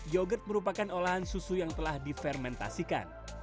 yogurt merupakan olahan susu yang telah difermentasikan